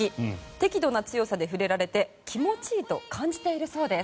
適度な強さで触れられて気持ちいいと感じているそうです。